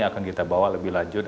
akan kita bawa lebih lanjut